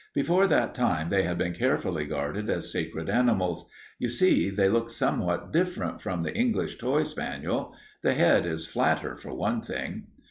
Before that time they had been carefully guarded as sacred animals. You see they look somewhat different from the English toy spaniel. The head is flatter, for one thing.